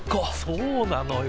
そうなのよ。